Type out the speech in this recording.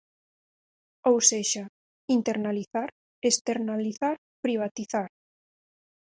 Ou sexa, internalizar, externalizar, privatizar.